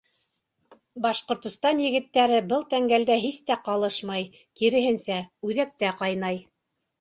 Башҡортостан егеттәре был тәңгәлдә һис тә ҡалышмай, киреһенсә, үҙәктә ҡайнай.